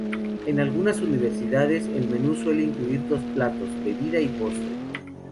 En algunas universidades el menú suele incluir dos platos, bebida y postre.